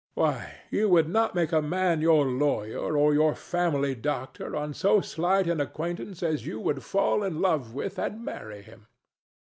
Why, you would not make a man your lawyer or your family doctor on so slight an acquaintance as you would fall in love with and marry him!